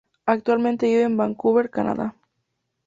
Actualmente vive en Vancouver, Canadá.